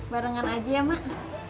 barengan aja ya mak